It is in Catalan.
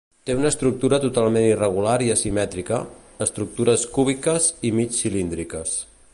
Té una estructura totalment irregular i asimètrica; estructures cúbiques i mig cilíndriques.